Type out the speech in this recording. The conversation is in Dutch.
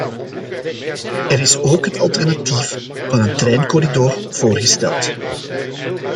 Er is ook het alternatief van een treincorridor voorgesteld.